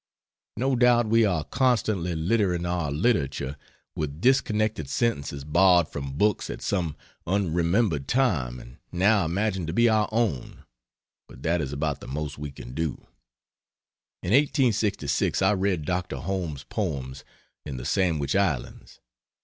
No doubt we are constantly littering our literature with disconnected sentences borrowed from books at some unremembered time and now imagined to be our own, but that is about the most we can do. In 1866 I read Dr. Holmes's poems, in the Sandwich Islands.